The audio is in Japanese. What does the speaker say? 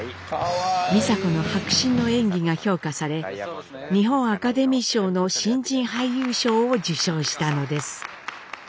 美佐子の迫真の演技が評価され日本アカデミー賞の新人俳優賞を受賞したのです。